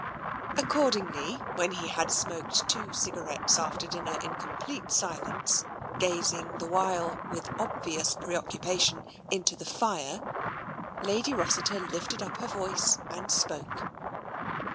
Accordingly, when he had smoked two cigarettes after dinner in complete silence, gazing the while, with obvious preoccupation, into the fire, Lady Rossiter lifted up her voice and spoke.